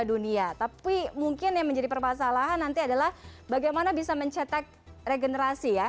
dunia tapi mungkin yang menjadi permasalahan nanti adalah bagaimana bisa mencetak regenerasi ya